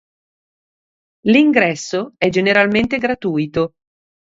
L'ingresso è generalmente gratuito.